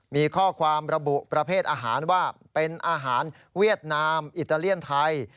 มีข้อความระบุประเภทอาหารว่าเป็นอาหารเวียดนามอิตาเลียนไทย